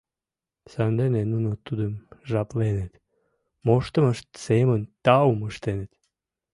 Сандене нуно тудым жапленыт, моштымышт семын таум ыштеныт.